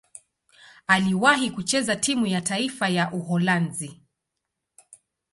Aliwahi kucheza timu ya taifa ya Uholanzi.